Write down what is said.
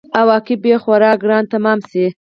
عواقب به یې خورا ګران تمام شي.